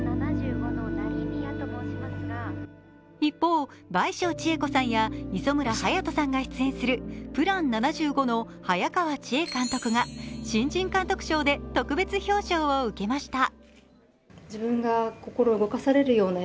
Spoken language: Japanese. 一方、倍賞千恵子さんや磯村勇斗さんが出演する「ＰＬＡＮ７５」の早川千絵監督が新人監督賞で特別表彰を受けました。